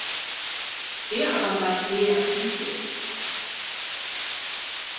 Er aber war "der" „Mzee“.